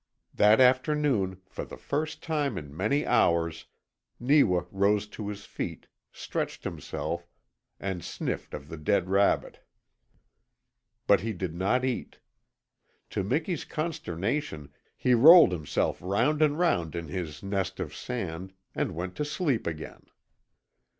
That afternoon, for the first time in many hours, Neewa rose to his feet, stretched himself, and sniffed of the dead rabbit. But he did not eat. To Miki's consternation he rolled himself round and round in his nest of sand and went to sleep again.